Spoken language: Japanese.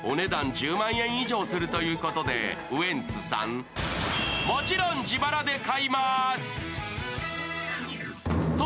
１０万円以上するということで、ウエンツさん、もちろん自腹で買います。